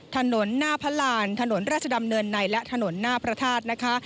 ถนนหน้าพระรานถนนราชดำเนินในและถนนหน้าพระธาตุนะคะ